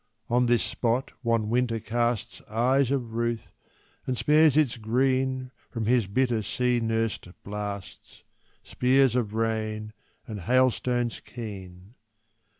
On this spot wan Winter casts Eyes of ruth, and spares its green From his bitter sea nursed blasts, Spears of rain and hailstones keen.